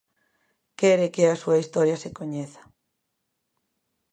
Quere que a súa historia se coñeza.